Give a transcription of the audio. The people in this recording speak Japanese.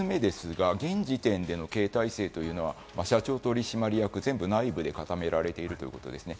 まず１つ目が、現時点での経営体制は社長、取締役、全部、内部で固められているということですね。